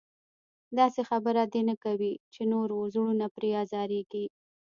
داسې خبره دې نه کوي چې نورو زړونه پرې ازارېږي.